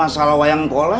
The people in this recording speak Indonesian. nanya masalah wayang golek